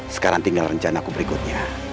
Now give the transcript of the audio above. sekarang tinggal rencana aku berikutnya